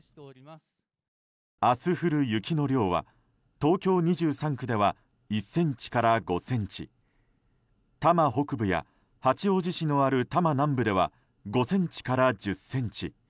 明日降る雪の量は東京２３区では１ｃｍから５ｃｍ多摩北部や八王子市のある多摩南部では５ｃｍから１０ｃｍ。